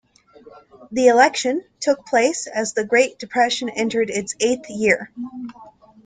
The election took place as the Great Depression entered its eighth year.